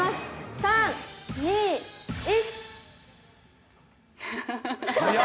３、２、１。